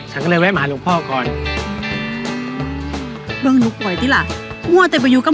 ฉันก็เลยแวะมาหาหลวงพ่อก่อนเรื่องหนูปล่อยที่ล่ะมั่วแต่ไปอยู่กับ